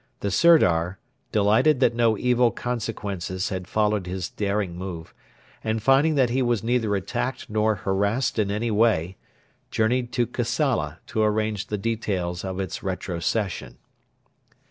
The Sirdar, delighted that no evil consequences had followed his daring move, and finding that he was neither attacked nor harassed in any way, journeyed to Kassala to arrange the details of its retrocession.